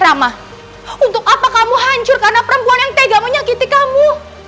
ramah untuk apa kamu hancur karena perempuan yang tega menyakiti kamu